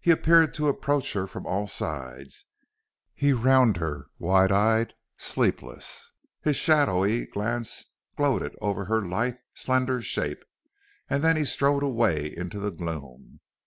He appeared to approach her from all sides; he round her wide eyed, sleepless; his shadowy glance gloated over her lithe, slender shape; and then he strode away into the gloom.